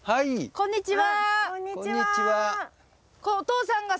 こんにちは！